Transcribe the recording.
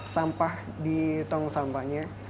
sampah di tong sampahnya